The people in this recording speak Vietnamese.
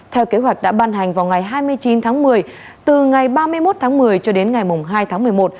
theo kế hoạch đã ban hành vào ngày hai mươi chín tháng một mươi từ ngày ba mươi một tháng một mươi cho đến ngày hai tháng một mươi một